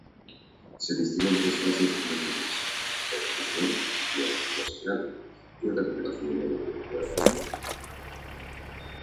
Se distinguen tres fases diferenciadas: excitación, amplificación de la señal y recuperación y adaptación.